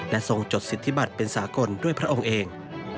ทรงจดสิทธิบัตรเป็นสากลด้วยพระองค์เอง